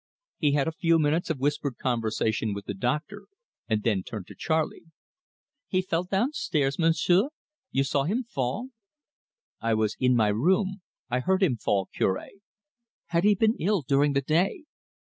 He had a few minutes of whispered conversation with the doctor, and then turned to Charley. "He fell down stairs, Monsieur? You saw him fall?" "I was in my room I heard him fall, Cure." "Had he been ill during the day?"